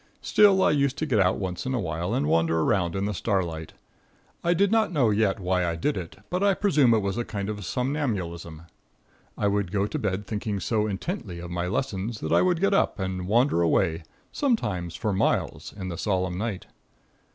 Still, I used to get out once in a while and wander around in the starlight. I did not know yet why I did it, but I presume it was a kind of somnambulism. I would go to bed thinking so intently of my lessons that I would get up and wander away, sometimes for miles, in the solemn night.